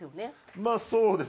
まあそうです。